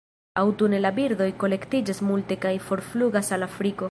Aŭtune la birdoj kolektiĝas multe kaj forflugas al Afriko.